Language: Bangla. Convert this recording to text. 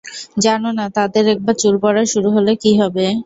জানো না তাদের একবার চুল পড়া শুরু হলে কী হবে?